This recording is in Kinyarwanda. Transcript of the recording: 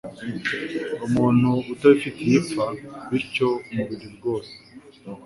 umuntu atabifitiye ipfa, bityo umubiri wose